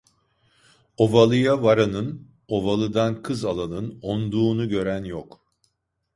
Ovalıya varanın, ovalıdan kız alanın onduğunu gören yok.